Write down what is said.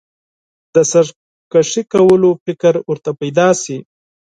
د سرکښي کولو فکر ورته پیدا شي.